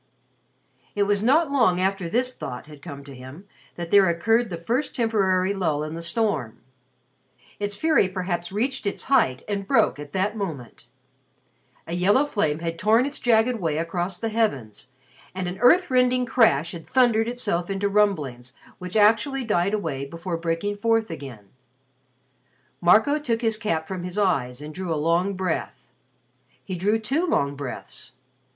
It was not long after this thought had come to him that there occurred the first temporary lull in the storm. Its fury perhaps reached its height and broke at that moment. A yellow flame had torn its jagged way across the heavens, and an earth rending crash had thundered itself into rumblings which actually died away before breaking forth again. Marco took his cap from his eyes and drew a long breath. He drew two long breaths.